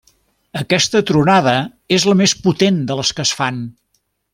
Aquesta tronada és la més potent de les que es fan.